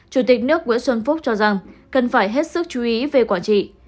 chủ tịch nước nguyễn xuân phúc cho rằng cần phải hết sức chú ý về quản trị